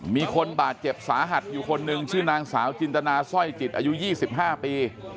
มีคนบาดเจ็บสาหัสอยู่คนหนึ่งชื่อนางสาวจินตนาสร้อยจิตอายุ๒๕ปี